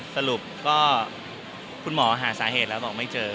สรุปก็คุณหมอหาสาเหตุแล้วบอกไม่เจอ